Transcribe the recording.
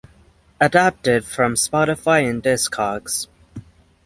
Adapted from Spotify and Discogs.